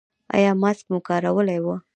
ایا ماسک مو کارولی و؟